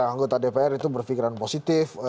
anggota dpr itu berpikiran positif